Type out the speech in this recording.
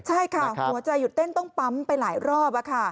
ใช่ค่ะหัวใจหยุดเต้นต้องปั๊มไปหลายรอบ